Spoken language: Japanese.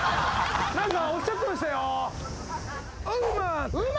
何かおっしゃってましたよ。